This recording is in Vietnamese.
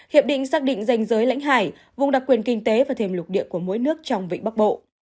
hiệp định xác định danh giới lãnh hải vùng đặc quyền kinh tế và thềm lục địa của mỗi nước trong vịnh bắc bộ